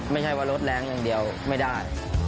ไม่ใช่ว่ารถแรงอย่างเดียวไม่ได้